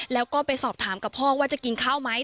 แล้วก็ไปสอบถามกับพ่อว่าจะกินข้าวไหม